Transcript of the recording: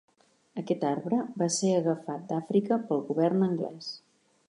Aquest arbre va ser agafat d'Àfrica pel govern anglès.